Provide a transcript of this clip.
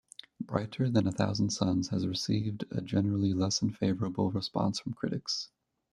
"Brighter Than a Thousand Suns" has received a generally less-than-favourable response from critics.